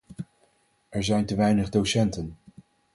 Er zijn te weinig docenten.